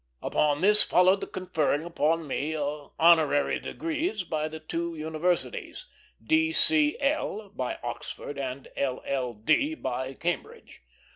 Upon this followed the conferring upon me honorary degrees by the two universities; D.C.L. by Oxford, and LL.D. by Cambridge.